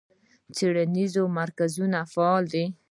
څیړنیز مرکزونه فعال دي.